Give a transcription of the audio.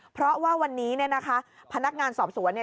เพราะว่าวันนี้เนี่ยนะคะพนักงานสอบสวนเนี่ย